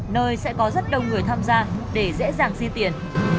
nơi sẽ có rất đông người tham gia để dễ dàng di chuyển